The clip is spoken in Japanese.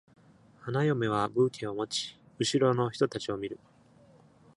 花嫁はブーケを持ち、後ろの人たちを見る。